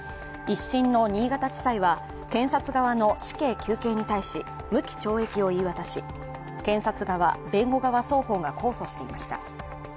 一審の新潟地裁は、検察側の死刑求刑に対し無期懲役を言い渡し、検察側、弁護側双方が控訴していました。